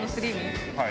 はい。